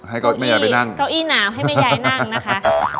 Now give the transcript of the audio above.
ให้เก้าแม่ยายไปนั่งเก้าอี้หนาวให้แม่ยายนั่งนะคะ